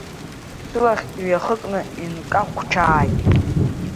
Сылахь иҩахыкны инкақәчааит.